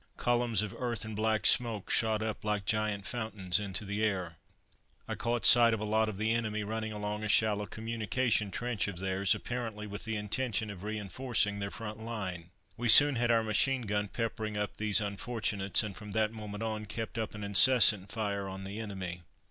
Columns of earth and black smoke shot up like giant fountains into the air. I caught sight of a lot of the enemy running along a shallow communication trench of theirs, apparently with the intention of reinforcing their front line. We soon had our machine gun peppering up these unfortunates, and from that moment on kept up an incessant fire on the enemy.